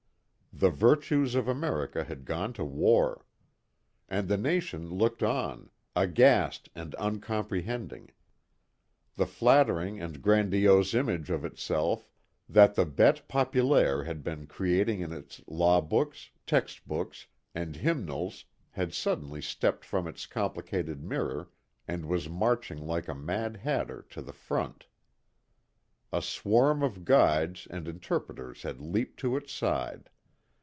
The virtues of America had gone to war. And the nation looked on, aghast and uncomprehending. The flattering and grandiose image of itself that the bête populaire had been creating in its law books, text books, and hymnals had suddenly stepped from its complicated mirror and was marching like a Mad Hatter to the front. A swarm of guides and interpreters had leaped to its side.